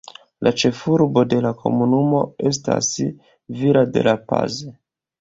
La ĉefurbo de la komunumo estas Villa de la Paz.